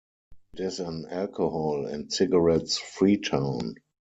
It is an alcohol and cigarettes free town.